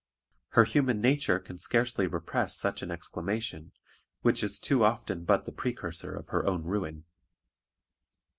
Her human nature can scarcely repress such an exclamation, which is too often but the precursor of her own ruin.